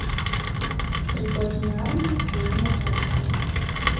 Пры кожнай арміі сваё начальства.